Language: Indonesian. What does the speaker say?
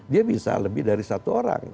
dia bisa lebih dari satu orang